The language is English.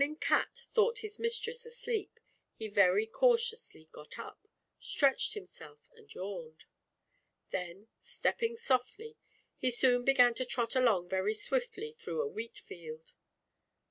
199 cat thought his mistress asleep, he very cautiously got up, stretched himself and yawned. Then stepping softly, he soon began to trot along very swiftly through a wheat field.